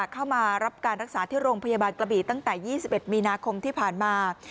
เข้ามารับการรักษาที่โรงพยาบาลกระบี่ตั้งแต่๒๑มีนาคมที่ผ่านมา